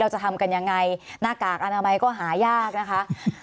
จะทำกันยังไงหน้ากากอนามัยก็หายากนะคะ